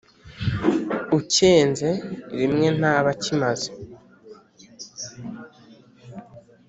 ucyenze rimwe ntaba akimaze.